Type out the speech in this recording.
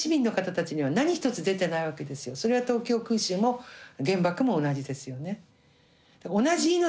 それは東京空襲も原爆も同じですよね。